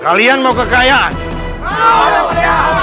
kalian mau kekayaan